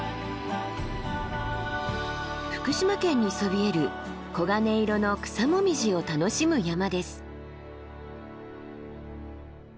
福島県にそびえる黄金色の草紅葉を楽しむ山です。